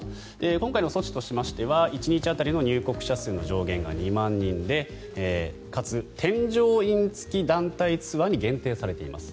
今回の措置としては１日当たりの入国者数の上限が２万人でかつ添乗員付き団体ツアーに限定されています。